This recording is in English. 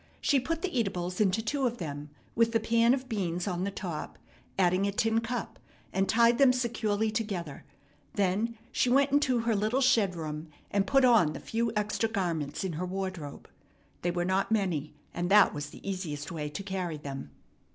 She put the eatables into two of them, with the pan of beans on the top, adding a tin cup, and tied them securely together. Then she went into her little shed room, and put on the few extra garments in her wardrobe. They were not many, and that was the easiest way to carry them.